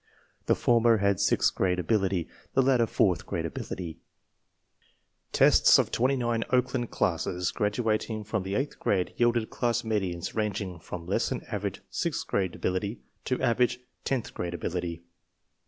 The former had sixth grade ability, the latter fourth grade ability. Tests of 29 Oakland classes gradu ating from the eighth grade yielded class medians rang ing from less than average sixth grade ability to average tenth grade ability.